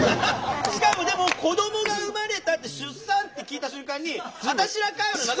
しかもでも子どもが生まれたって出産って聞いた瞬間に私ら界わいの中ではマジだマジだ。